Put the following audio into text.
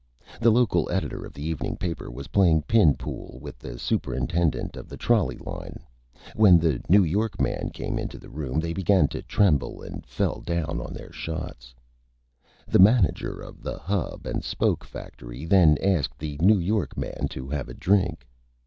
The Local Editor of the Evening Paper was playing Pin Pool with the Superintendent of the Trolley Line. When the New York Man came into the Room, they began to Tremble and fell down on their Shots. [Illustration: NEW YORK MAN] The Manager of the Hub and Spoke Factory then asked the New York Man to have a Drink.